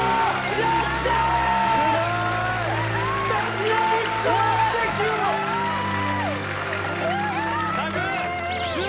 やったー！